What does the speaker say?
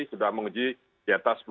sudah menguji di atas